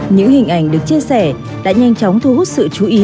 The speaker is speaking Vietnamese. những hình ảnh được chia sẻ đã nhanh chóng thu hút sự chú ý